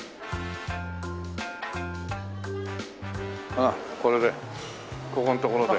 ほらこれでここのところで。